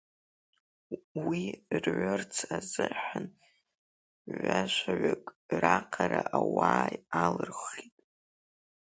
Уи рҩырц азыҳәан ҩажәаҩык раҟара ауаа алырхит.